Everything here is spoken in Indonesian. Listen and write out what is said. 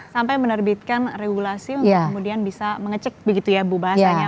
sampai menerbitkan regulasi untuk kemudian bisa mengecek begitu ya bu bahasanya